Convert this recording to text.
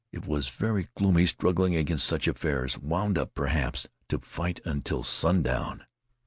It was very gloomy struggling against such affairs, wound up perhaps to fight until sundown.